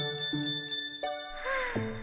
はあ。